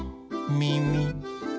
みみ。